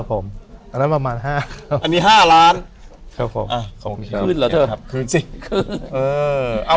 กดทุ่มนี้หลังบ้างนะครับ